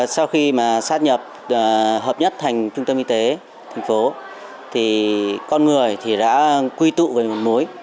sau khi mà sát nhập hợp nhất thành trung tâm y tế thành phố thì con người thì đã quy tụ về một mối